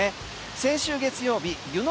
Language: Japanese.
先週月曜日湯ノ